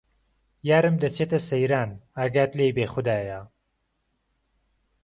یارم دهچێته سهیران ئاگات لێی بێ خودایا